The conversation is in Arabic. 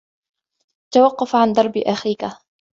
توقف عن ضرب أخيك.